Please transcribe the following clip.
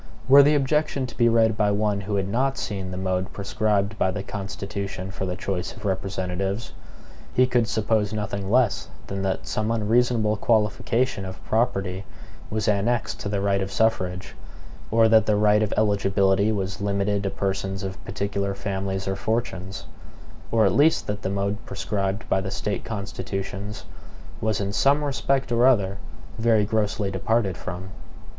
Were the objection to be read by one who had not seen the mode prescribed by the Constitution for the choice of representatives, he could suppose nothing less than that some unreasonable qualification of property was annexed to the right of suffrage; or that the right of eligibility was limited to persons of particular families or fortunes; or at least that the mode prescribed by the State constitutions was in some respect or other, very grossly departed from.